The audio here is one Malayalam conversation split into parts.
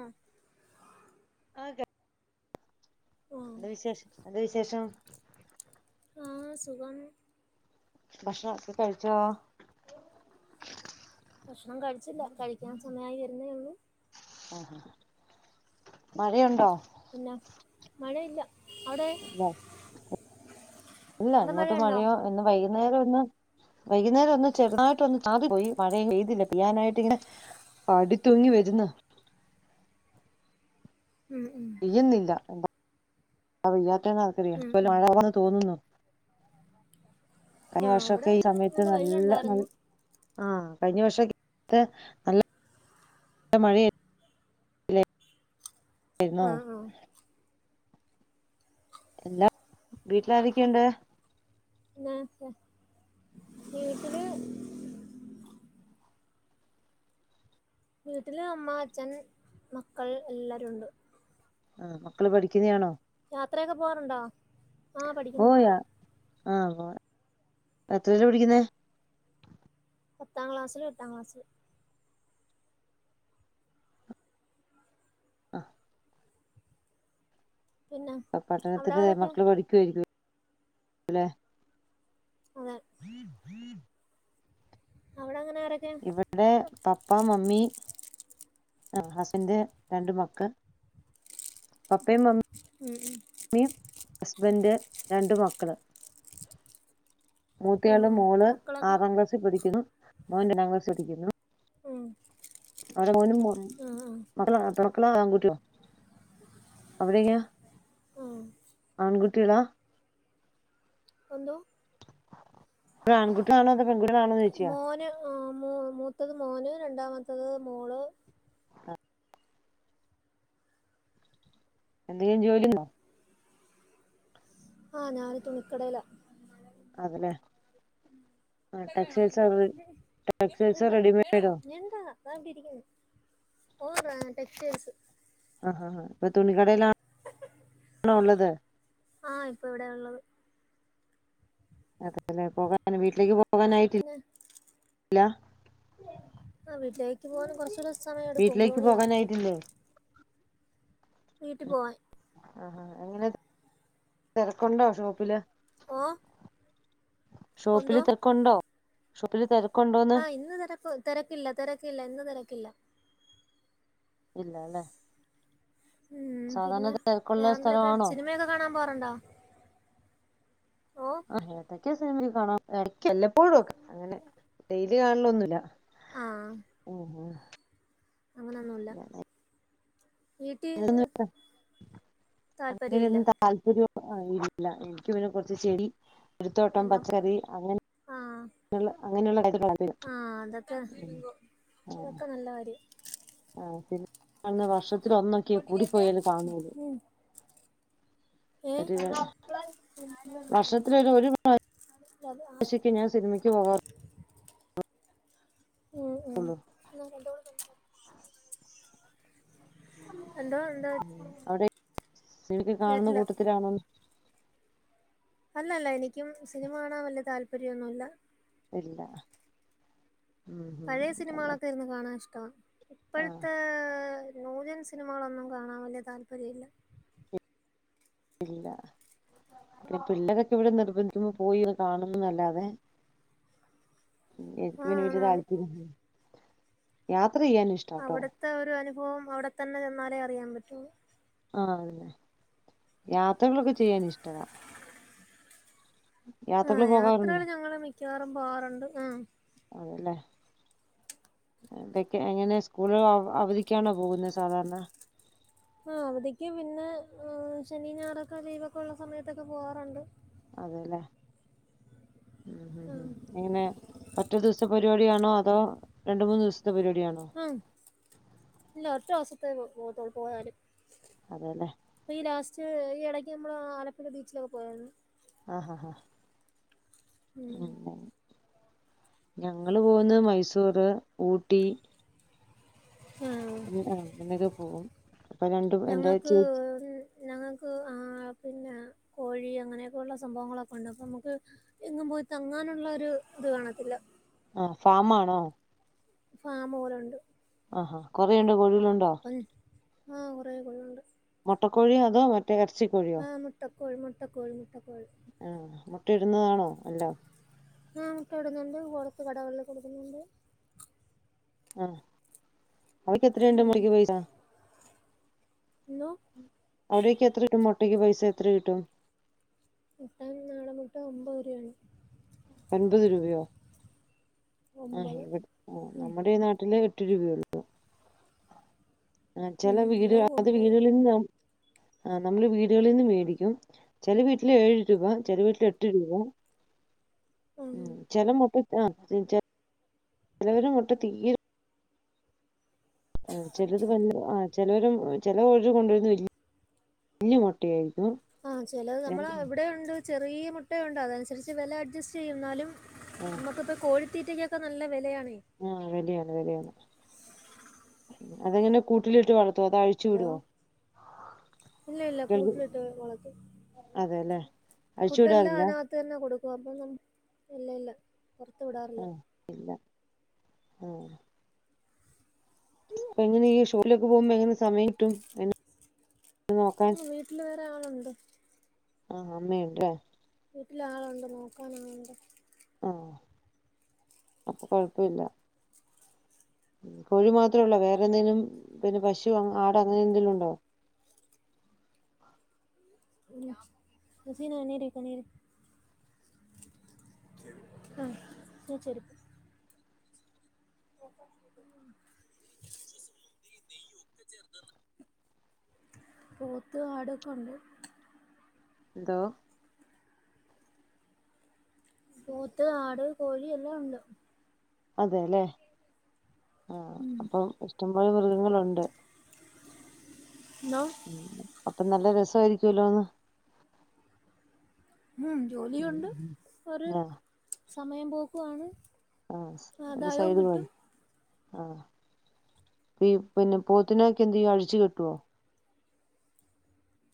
ആഹ ആ എന്ത വിശേഷം എന്താ വിശേഷം ആഹ സുഖം ഭക്ഷണം ഒക്കെ കഴിച്ചോ ഭക്ഷണം കഴിച്ചില്ല കഴിക്കാൻ സമയമായി വരുന്നേ ഉള്ളൂ ആഹ മഴയുണ്ടോ പിന്നെ മഴയില്ല അവിടെ ഇല്ല ഇല്ല അവിടെ ഇങ്ങോട്ട് മഴയുണ്ടോ മഴയോ ഇന്ന് വൈകുന്നേരം ഇന്ന് വൈകുന്നേരം ഒന്ന് ചെറുതായിട്ട് ഒന്ന് ചാറി പോയി പഴയ പെയ്തില്ല പ്യാനായിട്ട് ഇങ്ങനെ പാടിത്തൂങ്ങി വരുന്ന ഉം ഉം പെയ്യുന്നില്ല എന്താ പെയ്യാത്തന്ന ആക്കറിയ ഉം എല ഉം മഴയാവാെന്ന് തോന്നുന്നു കഴിഞ്ഞ ആ ഇവിടെ വർഷമൊക്കെ ഈ ഇന്ന് സമയത്ത് നല്ല ന വെയിലുണ്ടായിരുന്നു ആഹ കഴിഞ്ഞ വർഷ നല്ല മഴ ആുന്നോ ആ ആ എല്ലാ വീട്ടില ആരൊക്കെയുണ്ട് എന്നാ വീട്ടില് വീട്ടില് അമ്മ അച്ഛൻ മക്കൾ എല്ലാരുുംണ്ട് ആ മക്കള് പഠിക്കുന്നതയാണോ യാത്രയൊക്കെ പോവാറുണ്ടോ? ആ ഓ പഠിക്കുന്നു പുള്ളേരാ. ആ പോവാ എത്രയിലാ പിഠിയ്ക്കുന്നേ? പത്താം ക്ലാസില്, എട്ടാം ക്ലാസില്. ആ പിന്നെ ആ അവിടെ പട്ടണത്തിന്റെ ആരൊക്കെ മക്കള് പഠിക്കുവാരിക്കും, ല്ലെ അതെ [inaudible] അവിടങ്ങനെ ഇവടേ പപ്പ, മമ്മി ആ ഹസ്ൻ്റ് രണ്ട് മക്ക് പപ്പേ മ ഉം ഉം മ്മീം ഹസ് വന്റെ രണ്ട് മക്കള് ഉം മൂത്തയാള് ഉം മോള് മക്കളൊക്കെ ആറാം ക്ലാസ്സിൽ പഠിയ്ക്കുന്നു. മോൻ രണ്ടാം ക്ലാസ്ൽ പഠിയ്ക്കുന്നു. ഉം. [unintelligible] മോനും ആ മക്കള [unintelligible] കുട്ടിയോ അവിടെയ്ക്കാ ആ ആ ആൺകുട്ടികളാ ഒന്തോ! ആൺകുട്ടിയാണോ, അതോ പെൺകുട്ടികളാണോന്ന് ചോദിച്ചയാ മോന്, ആ മൂ മൂത്തത് മോന്, രണ്ടാമത്തത് മോള്. എന്തേ ജോലിണ്ടോ? ആ ഞാന് തുണിക്കടേല. അതെലെ. [unintelligible] ബിങ്കോ ടെക്സ്റ്റൈൽസോ വേണോ, റെഡിമെയ്ഡോ ഏ വേണോ [unintelligible] ഓ ടെക്സ്റ്റൈൽസ്. ആ ആ ആ ഇപ്പം തുണികടയിലാണോ ഒള്ളത്. ആ ഇപ്പൊ ഇവിടെള്ളത്. അതേലെ, പോകാന് വീട്ടിലേയ്ക്ക് പോകാനായിട്ടില്ല. പിന്നെ ആ വീട്ടിലേയ്ക്ക് പോകാൻ കൊറച്ചൂടെ സമയട്ക്കും വീട്ടിലേക്ക് ഒമ്പേണിയാവും. പോകാനായിട്ടില്ലേ വീട്ടി പോവാൻ ആഹാ എങ്ങനെ, തെരക്കുണ്ടോ ഷോപ്പില്. ഓ, ഷോപ്പില് എന്തോ തെക്കുണ്ടോ? ഷോപ്പില് തെര ആ ഇന്നു തെരക്കു തെരക്കില്ല തെരക്കില്ല ഇന്നു തെരക്കില്ല. ഇല്ലാല്ലേ. ഉം പിന്നെ വേറെന്തൊക്കെ? സ്ഥലമാണോ സിനിമയൊക്കെ കാണാൻ പോവാറ്ണ്ട? ആ എടക്കൊക്കെ സിനിമ കാണറുണ്ട്. എടയ്ക്ക്‌ വല്ലപ്പോഴും ഒക്കെ അങ്ങനെ ഡെയിലി കാണലൊന്നുല്ല. ഓ ഓ അങ്ങനൊന്നുല്ല. [unintelligible] താല്പര്യല്ല അങ്ങനൊന്നും താല്പര്യ ആ [unintelligible] ഇൻക്ക് പിന്നെ കൊർച്ച് ചെടി, ഒരുത്തോട്ടം കാരണം പച്ചക്കറി അങ്ങനെ ആഹ് അങ്ങനെള്ള അങ്ങനെള്ള അത്, ആഹ് അതൊക്കെ ഉം ആ അതൊക്കെ നല്ല കാര്യം ആ പിന്നെ [unintelligible] വർഷത്തില് ഒന്നൊക്കെ കൂടിപ്പോയല് കാണ്ള്ളൂ. ഉം ഏഹ് [unintelligible] വർഷത്തിലൊരു ഒരു പ ശയ്ക്ക് ഞാൻ സിനിമയ്ക്ക് പോകാർ ഉം ഉം [unintelligible] എന്തോ ഉണ്ട് അവിടെ [unintelligible] കാണുന്ന കൂട്ടത്തിലാണോ അല്ലല്ല എനിക്കും സിനിമ കാണാൻ വല്ല്യാ താല്പര്യോന്നുല്ല ഇല്ല ഉം ഉം പഴയ അല്ലെ സിനിമകളൊക്കെ ഇരുന്നു കാണാൻ ഇഷ്ട്ടമാ ആ ഇപ്പഴത്തെ നൂ ഇപ്പഴ്ത്തെ സിനിമകളൊന്നും കാണാൻ വല്ലിയ താല്പര്യമില്ല ഇല്ല പിന്നെ പിള്ളേരൊക്കെ ഇവിടെ നിർബന്ധിക്കുമ്പോ പോയി ഒന്ന് കാണുംയെന്നല്ലാതെ എനിക്ക് ആഹ് പിന്നെ വല്ലിയ ആന്നാന്ന് താല്പര്യ യാ അവിടത്തെ ഒരു അനുഭവം അവിടെത്തന്നെ ചെന്നാലേ അറിയാൻ പറ്റുയുള്ളൂ ആഹ് അത് തന്നെ യാത്രകളൊക്കെ ചെയ്യാൻ ഇഷ്ടവാ ആഹ് യാത്രകള് പോകാറുണ്ടോ യാത്രകള് ഞങ്ങള് മിക്കവാറും പോവാറുണ്ട് ആഹ് [unintelligible] ഇടക്ക് എങ്ങനെ സ്കൂള് അവധിക്കാണോ പോകുന്നേ സാധാരണ ആ അവധിക്ക് പിന്നെ ആ ശനി ഞാറൊക്കെ ലീവൊക്കെ ഉള്ള സമയത്തൊക്കെ പൂവാറുണ്ട് അതെ ഇല്ലേ ഉം ഉം എങ്ങനെ ഒറ്റ ദിവസ പരിപാടി- ത്തേക്കാണോ അതോ രണ്ട് മൂന്ന് ദിവസ ആ ഇല്ല ഒറ്റ ഓസത്തെ പോവതുള്ളൊ പോ പോയാല് അതെ ല്ലേ ഈ ഇടയ്ക്ക് മ്മള് ആലപ്പുഴ ബീച്ചിലൊക്കെ പോയാരുന്നു ആ ഹാ ഹാ ഉം ഉ ഞങ്ങള് പോകുന്നത് മൈസൂറ് ഊട്ടി ആഹ് പോകും, ങ്ങനൊക്കെ പോവും. ഞങ്ങൾക്ക് ഞങ്ങൾക്ക് ആ.. [inaudible] കോഴി അങ്ങനെയൊക്കെയുള്ള സംഭവങ്ങളൊക്കെ ഉണ്ട് അപ്പൊ നമുക്ക് എങ്ങും പോയി തങ്ങാനുള്ള ഒരു ഇത് കാണത്തില്ല. ആ.. ഫാമാണോ? ഫാമ് പോലെ ണ്ട്. ആ.. കൊറെണ്ടോ കോഴികള്ണ്ടോ? ആ കൊറെ കോഴികള്ണ്ട്. മുട്ടകോഴിയോ? അതോ മറ്റേ ഇറച്ചികോഴിയോ? ആഹ് മുട്ടക്കോഴി മുട്ടക്കോഴി മുട്ടക്കോഴി ആ.. മ്മ്. മുട്ട ഇടുന്നതാണോ എല്ലാം? ആ മൊട്ട ഇടുന്നുണ്ട് കോളത്ത് കടകളില് കൊടുക്കുന്നുണ്ട്. ആ അവടിപ്പോ എത്രണ്ട് ഉം മൊട്ടക്ക് പൈസ. ഇന്നോ അവിടൊക്കെ എത്ര കിട്ടും മൊട്ടയ്ക്ക് പൈസ എത്ര കിട്ടും? മൊട്ട നാടൻ മൊട്ട ഒമ്പത് രൂപാണ്. എൺമ്പത് രൂപയോ ആ ഒമ്പത് ഇവി നമ്മുടെ നാട്ടില് എട്ട് രൂപയൊള്ളൂ. ആ ഉം ചില വീട് ഇവിടേക്ക് അത് ഒമ്പത് വീടുകളിൽ നാം ആ നമ്മള് വീടുകളിൽ നിന്ന് മേടിക്കും ചെല വീട്ടില് ഏഴു രൂപ ചെല വീട്ടിൽ എട്ട് രൂപ ആ ഉം ചെല മുട്ട ആ ചെ ചെലവരെ മുട്ട തീരെ ആ ചിലത് വല്യ ആ ചെലര് ചെലവീട്ടിൽ കൊണ്ടു വരുന്ന വലിയ മുട്ടയാരിക്കും. ആ ചെലത് നമ്മൾ അവിടെയുണ്ട് ചെറിയ മുട്ടയുണ്ട് അതനുസരിച്ച് വില അഡ്ജസ്റ്റ് ചെയ്യും എന്നാലും നമുക്കിപ്പോ കോഴിത്തീറ്റയ്ക്കൊക്കെ നല്ല വിലയാണ്. ആ വെലയാണ് വെലയാണ് അതെങ്ങനെ കൂട്ടിലിട്ട് വളർ അത് അഴിച്ചു ഹലോ വിടുവോ? ഇല്ല ഇല്ല [unintelligible] കൂട്ടിലിട്ട് അതെ ലെ ഫുഡ് എല്ലാം അതിനകത്ത് തന്നെ കൊടുക്കും അപ്പോ ഇല്ല ഇല്ല. പുറത്തു വിടാറില്ല. ആ അപ്പ എങ്ങനെ ഈ ഷോപിലേക്ക് പോകുമ്പോ എങ്ങനെ സമയം കിട്ടും. [unintelligible] നോക്കാൻ മ്മ് വീട്ടില് വേറെ ആളുണ്ട്. ആ അമ്മയുണ്ട് [unintelligible] വീട്ടിൽ ആളുണ്ട് നോക്കാൻ ആളുണ്ട്. ആ അപ്പൊ കൊഴപ്പം ഇല്ല. കോഴി മാത്രം ഒള്ളോ വേറെ എന്തെങ്കിലും പിന്നെ പശോ, ആടോ അങ്ങനെ എന്തങ്കിലും ഉണ്ടോ? ഹസീന നേരെക്ക് നേരെ ആ [unintelligible] [unintelligible] നെയ്യൊക്കെ ചേർത്ത് പോത്ത് ആട് ഒക്കെ ഉണ്ട് ദ പോത്ത് ആട് കോഴി എല്ലാം ഉണ്ട് അതെ ലെ ആ അപ്പം ഇഷ്ടം മൃഗങ്ങളുണ്ട്. എന്നാ അപ്പൊ നല്ല രസ ആയിരിക്കലോ ഒന്ന് ഉം ജോലിയുണ്ട് ഒരു സമയം പോക്കുവാണ്. ആ ഒരു സൈഡ് [unintelligible] ആ പി പിന്നെ പോത്തിനൊക്കെ എന്ത് ചെയ്യും അഴിച്ചു കെട്ടുവോ?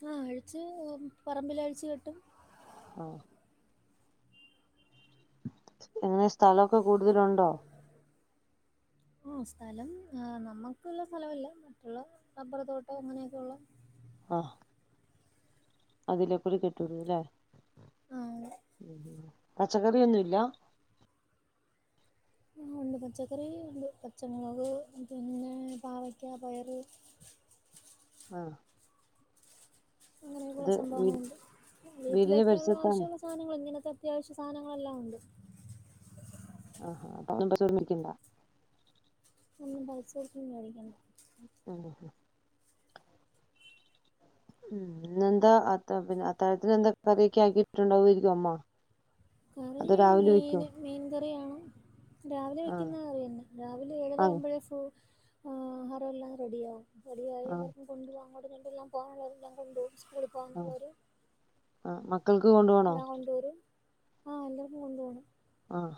ആ അഴിച്ച് ഒ പറമ്പിൽ അഴിച്ച് കെട്ടും. ആ എങ്ങനെ സ്ഥലൊക്കെ കൂടുതലുണ്ടോ ആ സ്ഥലം നമുക്കുള്ള സ്ഥലമല്ല മറ്റുള്ള റബ്ബർ തോട്ടം അങ്ങനെയൊക്കെയുള്ള ആ അതിലേക്കൂടി കെട്ടിടും ലെ ആ, പച്ചക്കറി ഒന്നുല്ല ണ്ട് പച്ചക്കറി ഉണ്ട് പച്ചമുളക് പിന്നെ പാവക്ക പയറ് ആ അങ്ങനെയൊക്കെ യുള്ള സംഭവങ്ങളുണ്ട് വീടിന്റെ വീട്ടിലേക്കുള്ള പരിസരത്താണ് ആവശ്യമുള്ള സാധനങ്ങൾ ഇങ്ങനെ അത്യാവശ്യ സാധനങ്ങളെല്ലാം ഉണ്ട് ആ ഹാ അപ്പ [unintelligible] ഒന്ന് പൈസകൊടുത്ത് മേടിക്കേണ്ട. [unintelligible] ഉം ഇന്നെന്താ അത്ത പിന്നെ അത്താഴത്തിന് എന്താ കറിയൊക്കെ ആക്കിട്ടുണ്ടാവുയിരിക്കും അമ്മ? അത് രാവിലെ വെക്കോ? ൻകറിയാണ്. രാവിലെ ആഹ് വെയ്ക്കുന്ന കറി തന്നെ. രാവിലെ ഏഴര ആഹ് ആവുമ്പോഴേ ഫോ ആഹ് ഹതെല്ലാ റെഡിയ, റെഡിയായി ആഹ് ല്ലാർക്കും കൊണ്ടോവാ [unintelligible] സ്കൂളി ആഹ് പോകാനുള്ളൊരു ആഹ് മക്കൾക്ക് കൊണ്ടു പോണോ ഞാൻ കൊണ്ട് വരും ആഹ് എല്ലാവരും കൊണ്ട് പോണം ആഹ്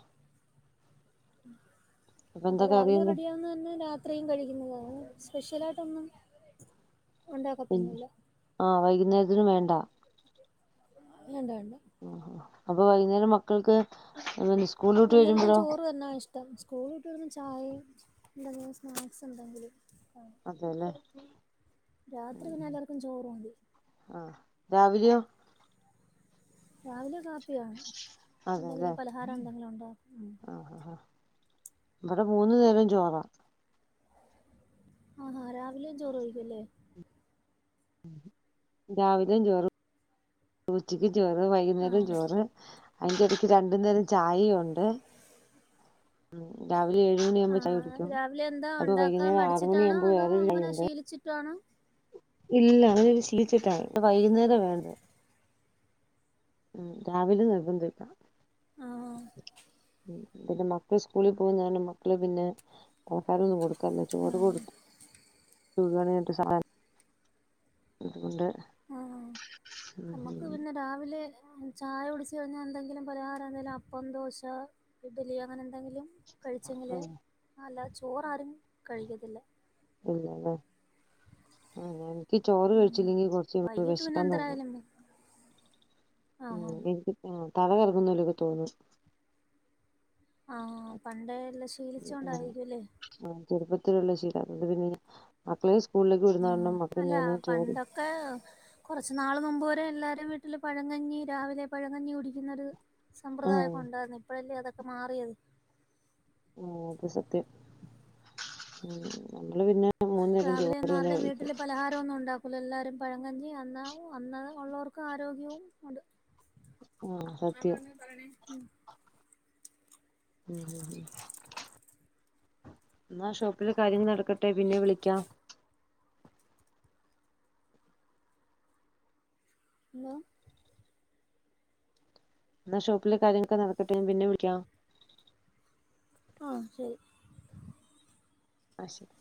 അപ്പൊ എന്താ രാവിലെ കറിയെന്ന് റെഡിയാവുന്ന് പറഞ്ഞ രാത് ഇത്രയും കഴിക്കുന്നതാണ് സ്പെഷ്യലായിട്ടൊന്നും ഉണ്ടാക്കത്തൊന്നുവില്ല [unintelligible] വേണ്ട ഉ ഉം അപ്പൊ വൈകുന്നേരം മക്കൾക്ക് [unintelligible] എല്ലാവർക്കും വരുമ്പോഴോ ചോറ് തന്നാ ഇഷ്ടം സ്കൂള് വിട്ട് വരുമ്പം ചായയും എന്തെങ്കിലും സ്നാക്സ് എന്തെങ്കിലും അതെല്ലേ രാത്രി പിന്നെ എല്ലാർക്കും ചോറു മതി ആഹ് രാവിലെയോ രാവിലെ കാപ് അതെല്ലേ എന്തെങ്കിലും ഉണ്ടാക്കും ഉം ആഹ് ആ ആ ഇവിടെ മൂന്നു നേരം ചോറാ ആഹ്ഹാ രാവിലേം ചോറ് കഴിക്കും അല്ലേ രാവിലെയും ചോറ് ഉച്ചക്കും ചോറ് വൈകുന്നേരം ആഹ് ചോറ് അതിന്റെ ഇടക്ക് രണ്ടു നേരം ചായെയും ഉണ്ട് ഒരു ഏഴുമണിയാവുമ്പോ ചായ ആഹ് കുടിക്കും രാവിലെ എന്താ അപ്പ ഉണ്ടാക്കാൻ വൈകുന്നേരം ആറ് മടിച്ചിട്ടാണോ മണിയാവുമ്പോ അതോ വേറൊരു ചായ അങ്ങനെ ഉണ്ട് ശീലിച്ചിട്ടാണോ ഇല്ല അവര് ഇത് ശീലിച്ചിട്ട ഇപ്പ വൈകുന്നേരവ വേണ്ടത് ഉം രാവിലെ നിർബന്ധം ഇല്ല ആഹ് പിന്നെ മക്കള് സ്കൂളിൽ പോകും മക്കള് പിന്നെ [unintelligible] കൊടുക്കാറില്ല ചോറ് കൊടുക്കും [unintelligible] അതുകൊണ്ട് ആഹ് ഉം നമ്മുക്ക് ഉം പിന്നെ രാവിലെ ചായ കുടിച്ച് കഴിഞ്ഞാൽ എന്തെങ്കിലും പലഹാരം എന്തേലും അപ്പം ദോശ ഇഡലി അങ്ങനെ എന്തെങ്കിലും ആ കഴിച്ചെങ്കില് അല്ല ചോറാരും കഴിക്കത്തില്ല ഇല്ലല്ലേ [unintelligible] എനിക്ക് ചോറ് ഉം കഴിച്ചില്ലെങ്കിൽ കുറച്ച് വൈകിട്ട് പിന്നെ വിശക്കാൻ നോക്കും എന്തരായാലും ഉം ആഹ് എനിക്ക് ആ തല കറങ്ങുന്നോലക്കെ തോന്നും ആഹ് പണ്ടേ എല്ലാം ശീലിച്ച ഉം കൊണ്ടായിരിക്കും ഇല്ലേ ഉം ചെറുപ്പത്തിലുള്ള ശീല അത് കൊണ്ട് പിന്നെ [unintelligible] ഉം കാരണം മക്കൾ അല്ല ഞാന് ചോറ് പണ്ടൊക്കെ കൊറച്ച് നാള് മുമ്പ് വരെ എല്ലാരും വി ട്ടില് പഴങ്കഞ്ഞി രാവിലെ പഴങ്കഞ്ഞി കുടിക്കുന്നൊരു സമ്പ്രദായം ആഹ് ഒക്കെ ഉണ്ടായിരുന്നു ഇപ്പോഴല്ലേ അതൊക് ക്കെ മാറിയത് ആ അത് സത്യം പിന്നെ മൂന്നു നേരം രാവിലെ ചോറ് ഒന്നും തന്നെ ആരുടെയും കഴിക്കും വീട്ടില് പലഹാരം ഒന്നും ഉണ്ടാക് എല്ലാവരും പഴങ്കഞ്ഞി അന്ന അന്ന് ഉള്ളവർക്ക് ആരോഗ്യവും ഉണ്ട്. ആഹ് സത്യം [unintelligible] പഴങ്കഞ്ഞി ഉം ഉം എന്നാ ഷോപ്പില് കാര്യങ്ങൾ നടക്കട്ടെ പിന്നെ വിളിക്കാം [unintelligible] എന്നാ ഷോപ്പിലെ കാര്യങ്ങളൊക്കെ നടക്കട്ടെ പിന്നെ വിളിക്കാം. ആഹ് ശരി അ ശരി